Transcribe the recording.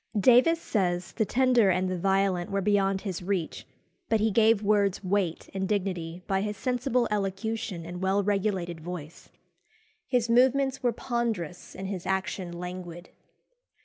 Davies says, the tender and the violent were beyond his reach, but he gave words weight and dignity by his sensible elocution and well regulated voice. His movements were ponderous and his action languid.